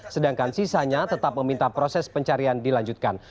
sedangkan sisanya tetap meminta proses pencarian dilanjutkan